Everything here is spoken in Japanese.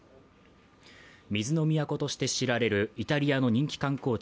水の都として知られるイタリアの人気観光地